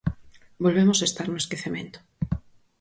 Volvemos estar no esquecemento.